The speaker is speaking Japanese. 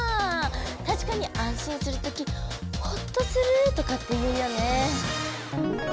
たしかに安心するときホッとするとかって言うよね。